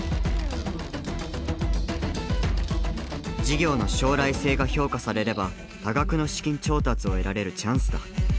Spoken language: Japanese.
事業の将来性が評価されれば多額の資金調達を得られるチャンスだ。